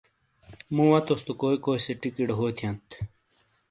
مو وتوس تو کوئی کوئی سےٹیکیڑے ہو تھیات ؟